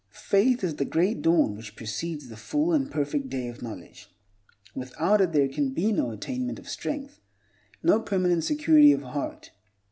Faith is the grey dawn which precedes the full and perfect day of knowledge. Without it there can be no attainment of strength, no permanent security of heart.